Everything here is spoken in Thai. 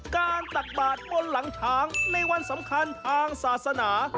ตักบาดบนหลังช้างในวันสำคัญทางศาสนา